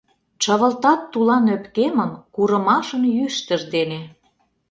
Чывылтат тулан ӧпкемым Курымашын йӱштыж дене.